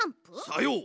さよう。